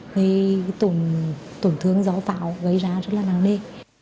vì tổn thương do pháo gây ra rất là nặng đê